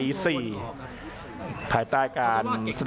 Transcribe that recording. อัศวินาศาสตร์